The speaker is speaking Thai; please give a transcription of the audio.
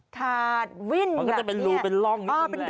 ถาดวิ่นแบบนี้